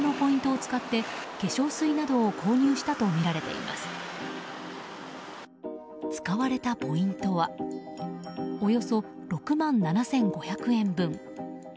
使われたポイントはおよそ６万７５００円分。